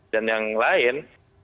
dan yang lain